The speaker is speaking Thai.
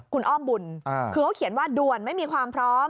คุณอ้อมบุญคือเขาเขียนว่าด่วนไม่มีความพร้อม